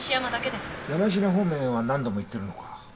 山科方面へは何度も行ってるのか。